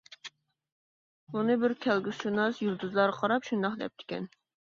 بۇنى بىر كەلگۈسىشۇناس يۇلتۇزلارغا قاراپ شۇنداق دەپتىكەن.